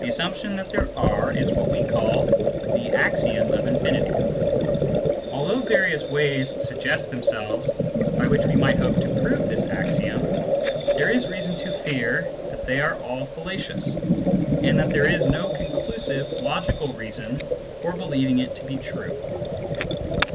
The assumption that there are is what we call the " axiom of infinity." Although various ways suggest themselves by which we might hope to prove this axiom, there is reason to fear that they are all fallacious, and that there is no conclusive logical reason for believing it to be true.